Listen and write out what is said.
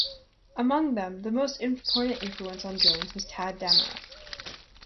Among them, the most important influence on Jones was Tadd Dameron.